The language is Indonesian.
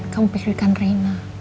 kamu pikirkan reina